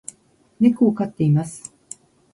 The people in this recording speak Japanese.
猫を飼っています